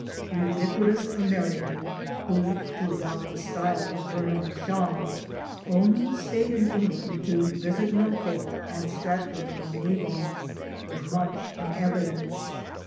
The ubiquitous American who (to adopt the style of Bernard Shaw) only stayed in England to visit Millthorpe and Stratford on Avon, was much in evidence.